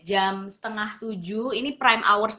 jam setengah tujuh ini prime hours